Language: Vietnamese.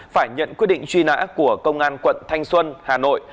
phải nhận quyết định truy nã của công an quận thanh xuân hà nội